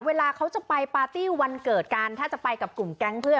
เวลาเขาจะไปปาร์ตี้วันเกิดกันถ้าจะไปกับกลุ่มแก๊งเพื่อน